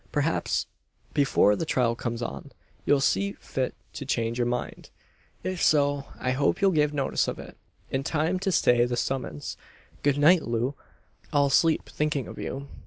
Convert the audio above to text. Perhaps before the trial comes on, you'll see fit to change your mind. If so, I hope you'll give notice of it in time to stay the summons. Good night, Loo! I'll sleep thinking of you."